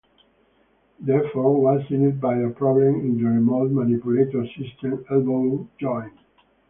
The effort was slowed by a problem in the Remote Manipulator System elbow joint.